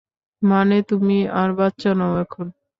মানে, তুমি আর বাচ্চা নও এখন।